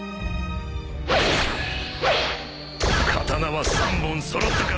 刀は３本揃ったか？